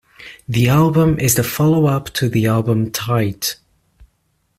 The album is the follow-up to the album "Tight".